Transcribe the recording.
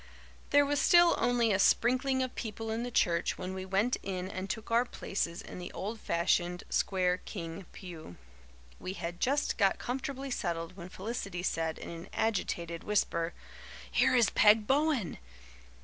There was still only a sprinkling of people in the church when we went in and took our places in the old fashioned, square King pew. We had just got comfortably settled when Felicity said in an agitated whisper, "Here is Peg Bowen!"